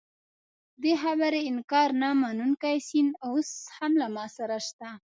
دې خبرې انکار نه منونکی سند اوس هم له ما سره شته.